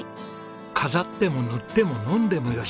飾っても塗っても飲んでも良し。